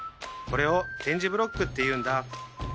これを点字ブロックっていうんだ。